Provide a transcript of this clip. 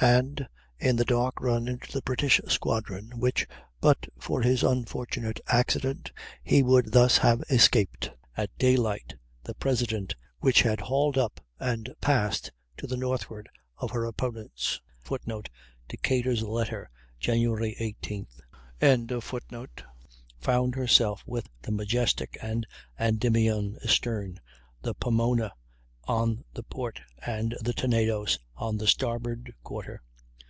and in the dark ran into the British squadron, which, but for his unfortunate accident, he would thus have escaped. At daylight, the President, which had hauled up and passed to the northward of her opponents, [Footnote: Decatur's letter. Jan. 18th.] found herself with the Majestic and Endymion astern, the Pomona on the port and the Tenedos on the starboard quarter.